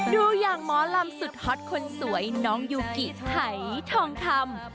ดูอย่างหมอลำสุดฮอตคนสวยน้องยูกิไถทองคำ